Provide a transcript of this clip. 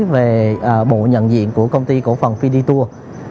về bộ nhận diện của công ty cổ phần fiditur